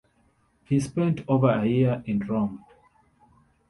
He spent over a year in Rome.